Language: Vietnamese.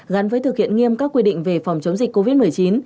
gắn với thực hiện nghiêm các quy định về phòng chống dịch covid một mươi chín